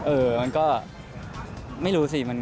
เออมันก็ไม่รู้สิ